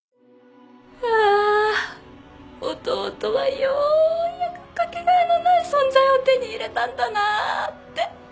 あ弟はようやくかけがえのない存在を手に入れたんだなって。